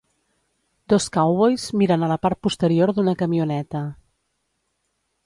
Dos "cowboys" miren a la part posterior d'una camioneta.